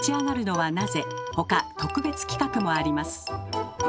特別企画もあります。